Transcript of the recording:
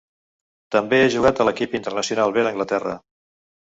També ha jugat a l'equip internacional B d'Anglaterra.